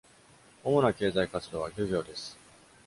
主な経済活動は漁業です。